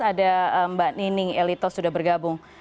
ada mbak nining elito sudah bergabung